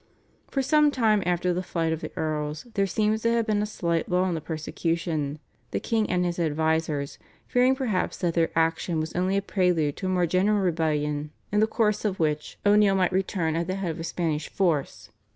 For some time after the flight of the Earls there seems to have been a slight lull in the persecution, the king and his advisers fearing perhaps that their action was only a prelude to a more general rebellion in the course of which O'Neill might return at the head of a Spanish force.